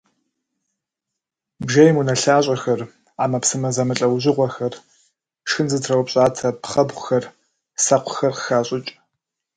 Бжейм унэлъащӏэхэр, ӏэмэпсымэ зэмылӏэужьыгъуэхэр, шхын зытраупщӏатэ пхъэбгъухэр, сэкъухэр къыхащӏыкӏ.